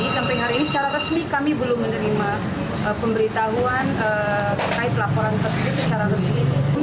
sampai hari ini secara resmi kami belum menerima pemberitahuan terkait laporan tersebut secara resmi